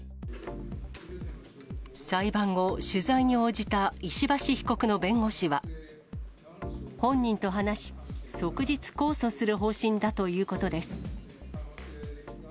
裁判後、取材に応じた石橋被告の弁護士は、本人と話し、即日控訴する方針だということです。